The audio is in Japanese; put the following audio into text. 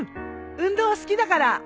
運動好きだから。